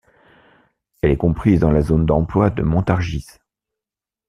Elle est comprise dans la zone d'emploi de Montargis.